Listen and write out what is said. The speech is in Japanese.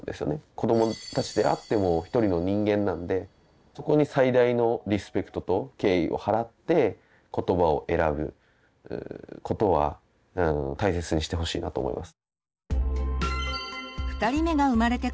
子どもたちであっても一人の人間なんでそこに最大のリスペクトと敬意をはらって言葉を選ぶことは大切にしてほしいなと思います。